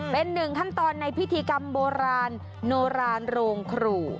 เป็นหนึ่งขั้นตอนในพิธีกรรมโบราณโนรานโรงครู